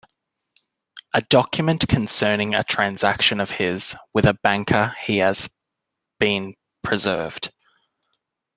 A document concerning a transaction of his with a banker has been preserved.